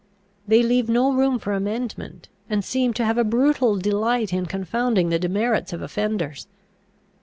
They leave no room for amendment, and seem to have a brutal delight in confounding the demerits of offenders.